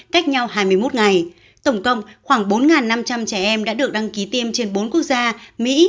cách nhau hai mươi một ngày tổng cộng khoảng bốn năm trăm linh trẻ em đã được đăng ký tiêm trên bốn quốc gia mỹ